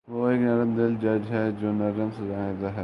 وہ ایک نرم دل جج ہے جو نرم سزایئں دیتا `ہے